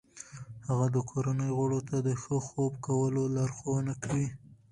هغه د کورنۍ غړو ته د ښه خوب کولو لارښوونه کوي.